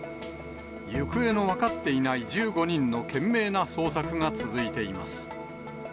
行方の分かっていない１５人の懸命な捜索が続いています。